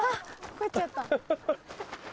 帰っちゃった。